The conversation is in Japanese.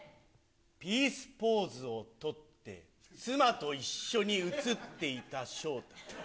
ピースポーズを取って、妻と一緒に写っていた昇太。